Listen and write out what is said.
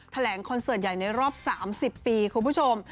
คอนเสิร์ตใหญ่ในรอบ๓๐ปีคุณผู้ชม